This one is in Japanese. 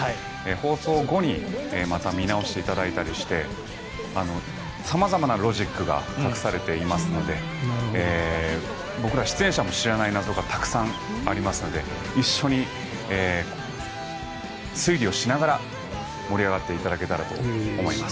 放送後にまた見直していただいたりして様々なロジックが隠されていますので僕ら出演者も知らない謎がたくさんありますので一緒に推理をしながら盛り上がっていただけたらと思います。